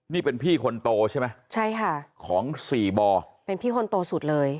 นี่เป็นพี่คนโตใช่ไหมใช่ค่ะของสี่บ่อเป็นพี่คนโตสุดเลย